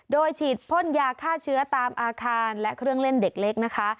โดยฉีดพ่นยาฆ่าเชื้อตามอาคารและเครื่องเล่นเด็กเล็กนะคะ